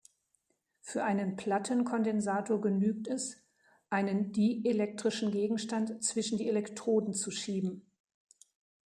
Für einen Plattenkondensator genügt es, einen dielektrischen Gegenstand zwischen die Elektroden zu schieben.